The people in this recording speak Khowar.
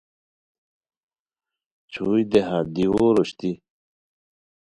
چھوئی دیہہ دیوو روشتی